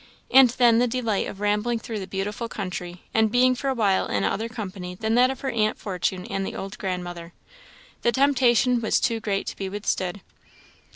And then the delight of rambling though the beautiful country, and being for a while in other company than that of her aunt Fortune and the old grandmother! The temptation was too great to be withstood.